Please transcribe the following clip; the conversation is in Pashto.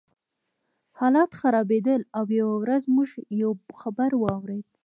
حالات خرابېدل او یوه ورځ موږ یو خبر واورېد